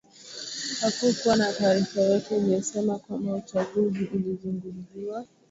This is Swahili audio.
Hakukuwa na taarifa yoyote iliyosema kwamba uchaguzi ulizungumziwa